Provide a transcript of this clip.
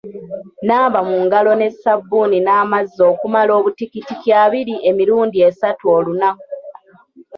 Naaba mu ngalo ne ssabbuuni n'amazzi okumala obutikitiki abiri emirundi esatu olunaku.